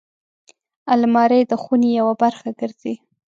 الماري د خونې یوه برخه ګرځي